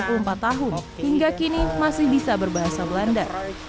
dan berumur tujuh puluh empat tahun hingga kini masih bisa berbahasa belanda